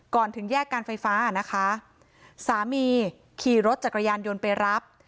ถึงแยกการไฟฟ้านะคะสามีขี่รถจักรยานยนต์ไปรับ